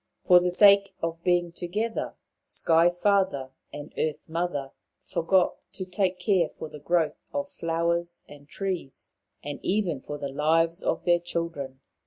For the sake of being together, Sky father and Earth mother forgot to care for the growth of flowers and trees, and even for the lives of their own children.